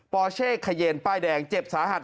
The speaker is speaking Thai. ปอร์เชคเขยียนป้ายแดงเจ็บสาหัส